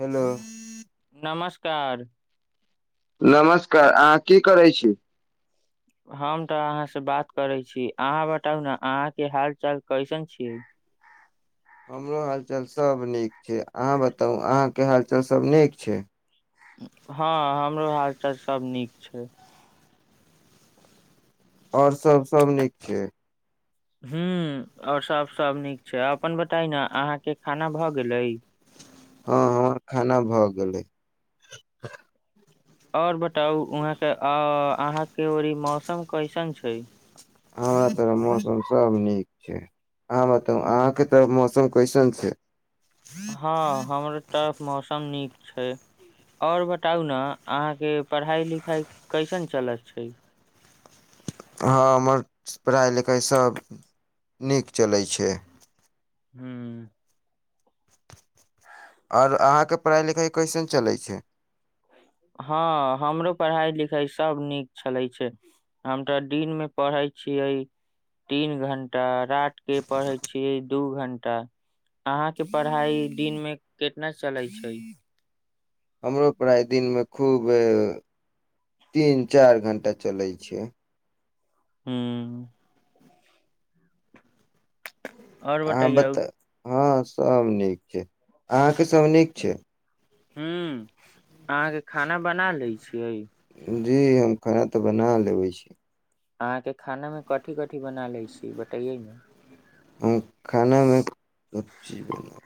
hello नमस्कार नमस्कार अहाँ की करै छी हम तऽ अहाँसँ बात करै छी अहाँ बताउ ने अहाँके हाल चाल कैसन छियै हमरो हालचाल सभ नीक छै अहाँ बताउ अहाँके हालचाल सभ नीक छै हँ हमरो हाल चाल सब नीक छै आओर सभ सभ नीक छै ह आओर सब सब नीक छै अपन बताय ने अहाँके खाना भऽ गेलै हँ हमर खाना भऽ गेलै आओर बताउ वहाँ के अहाँ के र मौसम कैसन छै हमरा ओतअ मौसम सब नीक छै अहाँ बताउ अहाँके तऽ मौसम क्वेश्चन छै हँ हमर तरफ मौसम नीक छै आओर बताउ ने अहाँके पढ़ाइ लिखाइ कैसन चलत छै हँ हमर पढ़ाइ लिखाइसभ नीक चलै छै हू आओर अहाँके पढ़ाइ लिखाइ कैसन चलैत छै हँ हमरो पढ़ाई लिखाई सब नीक छलै छै हम तऽ दिन मे पढ़ैत छियै तीन घं्टा रट के पढ़े छीयै दू घण्टा अहाँके पढ़ाइ दिन मे कितना चलै छै हमरो प्राय दिनमे खूब तीन चारि घण्टा चलै छै हू और अ बतैयौ बता हँ सब नीक छैक अहाँके सब नीक छैक ह्म अहाँके खाना बना लैत छियैक जी हम खाना तऽ बना लेबय छी अहाँके खानामे कथि कथि बना लैछी बतैयै ने हम खानामे सभचीज बना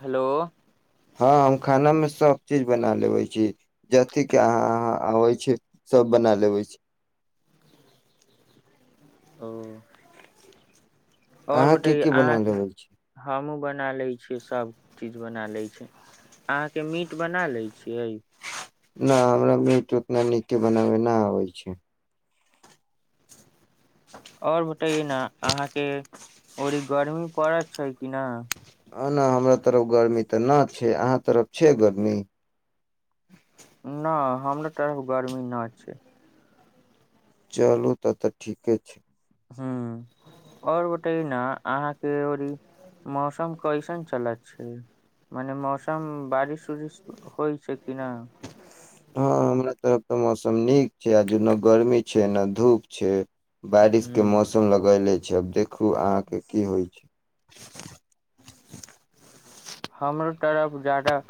हेलो हँ हम खानामे सभचीज बना लेबय छी जे अहाँ आबैत छी सभ बना लेबय छी ओ आओर अहाँ की बतैउ की बना अहाँके लेबै छी हमूँ बना लैत छियैक सब चीज बना लैत छियैक अहाँके मीट बना लैत छियैक न हमरा मीट नीके न बनाबय अबैत छैक आओर बतइए ने अहा केँ ओजे गर्मी पड़ैत छै कि न ना हमरा तरफ गर्मी त ना छैक अहाँ तरफ छैक गर्मी ना हमरा तरफ गर्मी ना छैक चलू तब त ठीके छैक ह और बताइए न अहाँके ओनी मौसम कैसन चलैत छैक मने मौसम बारिश उरिश होइत छैक कि न हँ हमरा तरफ तऽ मौसम नीक छै आज नए गर्मी छैक न धूप छैक बारिश केँ हूँ मौसम लगैेले जब दे [unintelligible] कहू अहाकें की होइत छैक हमरो तरफ जादा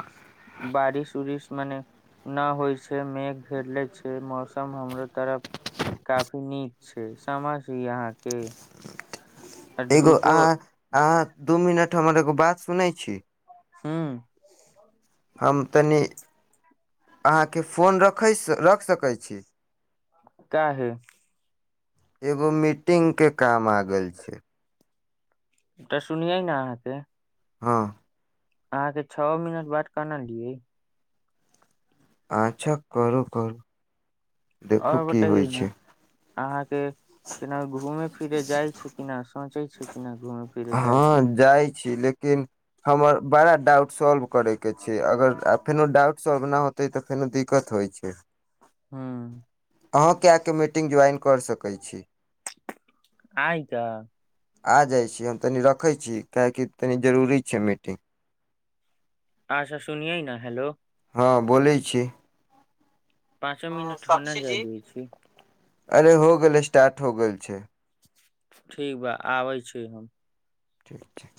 बारिश उरिश मने न होइत छैक मेघ घेरले छै मौसम हमरो तरफ काफी नीक छै समझि अहाकेँ एगो अहा अहा दू मिनट त हम्मर एगो बात सुनैत छी ह्म हम तनी अहाँके फोन रख सकैत छी काहे एगो मीटिंग केँ काम आ गेल छैक त सुनियै ने अहा केँ हँ [unintelligible] अहाँके छओ मिनट बात कना की अच्छा करू करू देखू की होइत छैक अहां केँ केना घूमे फिरे जाइत छि कि ना सोचै छै किना घूमे फिरे जायकेँ हँ जाइ छी लेकिन हमर बड़ा डाउट सॉल्व करय केंँ छैक अगर फेनो डाउट सॉल्व न होत हेतय त फेनो दिक्कत होइत छैक ह्म मीटिंग ज्वाइन कर सकैय छी आइ कए आ जाइ छी हम तनि रखै छी काहकि तनि जरूरी छै मीटिंग आछा सुनियैय ना हेलो ह बोलय छी पाँचो मिनट हो नहि साक्षी जा जी दै छी अरे हो गेल स्टार्ट हो गेल छै ठीक बा आबै छी हम ठीक छै